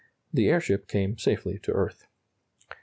The airship came safely to earth.